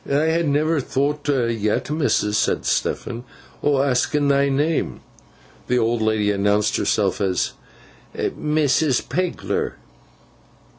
'I ha never thowt yet, missus,' said Stephen, 'o' askin thy name.' The old lady announced herself as 'Mrs. Pegler.